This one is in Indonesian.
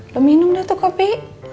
lo minum deh tuh kopi